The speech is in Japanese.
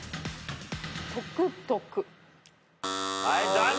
はい残念！